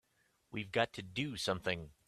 We've got to do something!